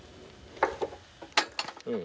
うん。